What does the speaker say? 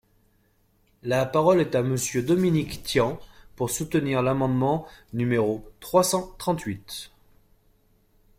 La parole est à Monsieur Dominique Tian, pour soutenir l’amendement numéro trois cent trente-huit.